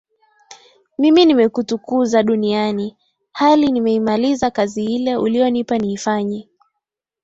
Mimi nimekutukuza duniani hali nimeimaliza kazi ile uliyonipa niifanye